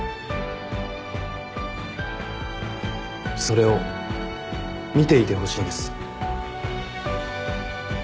それを見ていてほしいんです。